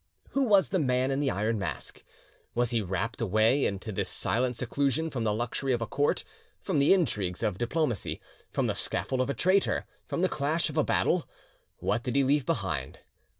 Who was the Man in the Mask? Was he rapt away into this silent seclusion from the luxury of a court, from the intrigues of diplomacy, from the scaffold of a traitor, from the clash of battle? What did he leave behind?